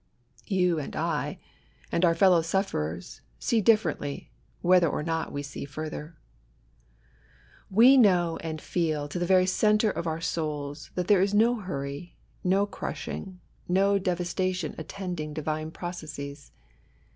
You and I, and our fellow sufferers, see differently, whether or not we see further. DEDICATION. XUl We know and feel, to the very centre of our souls,, that there is no hurry, no crushing, no devastation attending Divine processes.